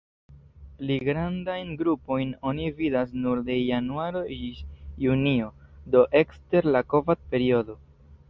Pli grandajn grupojn oni vidas nur de januaro ĝis junio, do ekster la kovad-periodo.